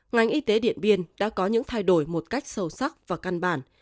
ngành y tế điện biên đã có những thay đổi một cách sâu sắc và căn bản